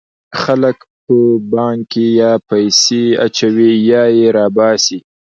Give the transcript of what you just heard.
خلک په بانک کې یا پیسې اچوي یا یې را باسي.